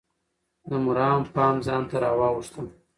د مراد پام ځان ته راواووخته.